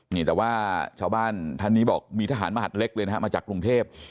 นี่แต่ว่าชาวบ้านท่านนี้บอกมีทหารมหัดเล็กเลยนะฮะมาจากกรุงเทพ